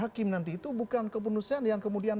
dan kemudian nanti itu bukan keputusan yang kemudian